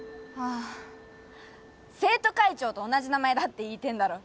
あ生徒会長と同じ名前だって言いてえんだろ？